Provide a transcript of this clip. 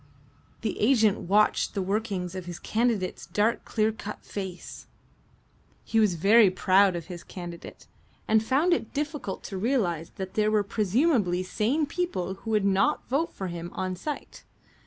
The agent watched the workings of his candidate's dark clear cut face. He was very proud of his candidate, and found it difficult to realize that there were presumably sane people who would not vote for him on sight.